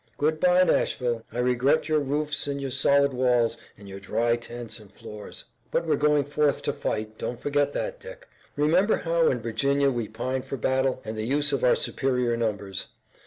Good bye, Nashville. I regret your roofs and your solid walls, and your dry tents and floors." "But we're going forth to fight. Don't forget that, Dick. Remember how in Virginia we pined for battle, and the use of our superior numbers.